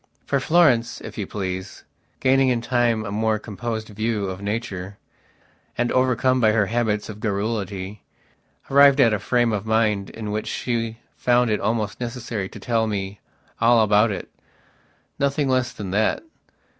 For Florence, if you please, gaining in time a more composed view of nature, and overcome by her habits of garrulity, arrived at a frame of mind in which she found it almost necessary to tell me all about itnothing less than that.